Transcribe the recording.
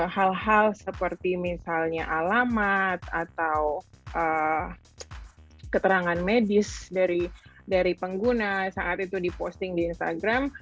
hal hal seperti misalnya alamat atau keterangan medis dari pengguna saat itu diposting di instagram